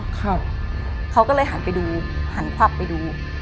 ครับเขาก็เลยหันไปดูหันภาพไปดู